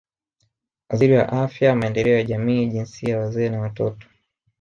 Waziri wa Afya Maendeleo ya Jamii Jinsia Wazee na Watoto